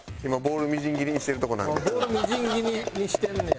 ボールみじん切りにしてんねや。